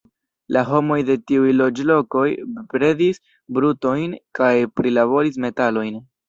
La homoj de tiuj loĝlokoj bredis brutojn kaj prilaboris metalojn.